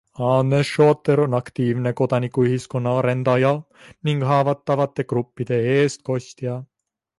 Anne Schotter on aktiivne kodanikuühiskonna arendaja ning haavatavate gruppide eestkostja.